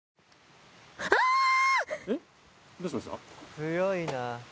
強いな。